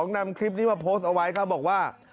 นำคลิปนี้มาโพสต์เอาไว้เขาบอกว่า